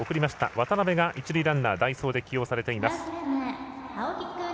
渡邉が一塁ランナーに代走で起用されています。